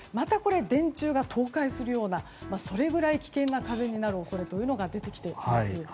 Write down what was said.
電柱が倒壊するくらい危険な風になる恐れが出てきています。